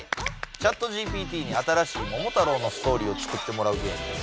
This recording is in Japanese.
ＣｈａｔＧＰＴに新しい「モモタロウ」のストーリーを作ってもらうゲームです。